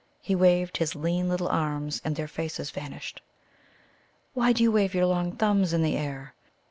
He waved his lean little arms, and their faces vanished. "Why do you wave your long thumbs in the air?"